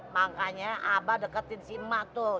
makanya abah deketin si emak tuh